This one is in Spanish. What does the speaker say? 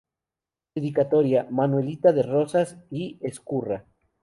Dedicatoria: Manuelita de Rosas y Ezcurra.